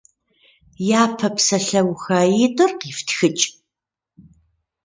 Япэ псалъэухаитӀыр къифтхыкӀ.